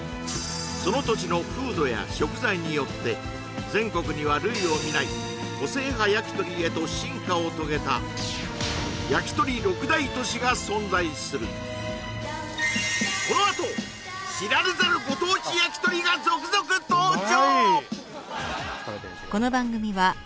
その土地の風土や食材によって全国には類を見ないを遂げたやきとり６大都市が存在するこのあと知られざるご当地やきとりが続々登場